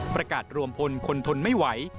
ประกาศรวมพลคนทนไม่ไหว